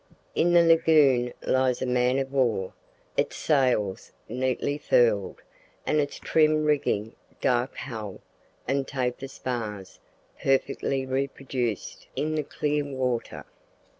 In the lagoon lies a man of war, its sails neatly furled, and its trim rigging, dark hull, and taper spars, perfectly reproduced in the clear water.